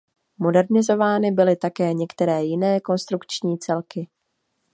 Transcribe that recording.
Modernizovány byly také některé jiné konstrukční celky.